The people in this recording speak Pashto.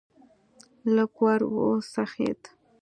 لږ ور وڅخېد.